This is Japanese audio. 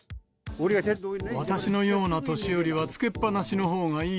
私のような年寄りは、着けっぱなしのほうがいい。